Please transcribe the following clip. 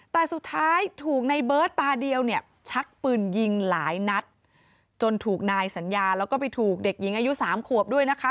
แต่สุดท้ายถูกในเบิร์ตตาเดียวเนี่ยชักปืนยิงหลายนัดจนถูกนายสัญญาแล้วก็ไปถูกเด็กหญิงอายุสามขวบด้วยนะคะ